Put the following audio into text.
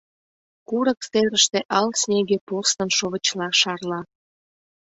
Курык серыште ал снеге порсын шовычла шарла.